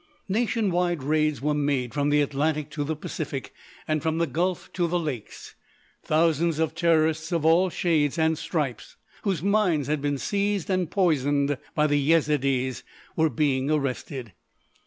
Nation wide raids were made from the Atlantic to the Pacific, and from the Gulf to the Lakes. Thousands of terrorists of all shades and stripes whose minds had been seized and poisoned by the Yezidees were being arrested.